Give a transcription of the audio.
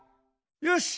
よし。